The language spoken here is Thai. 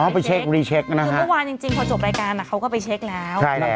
ไปเช็ครีเช็คนะคือเมื่อวานจริงพอจบรายการเขาก็ไปเช็คแล้ว